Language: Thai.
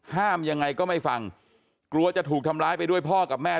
ยังไงก็ไม่ฟังกลัวจะถูกทำร้ายไปด้วยพ่อกับแม่